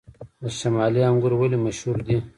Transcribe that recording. د شمالي انګور ولې مشهور دي؟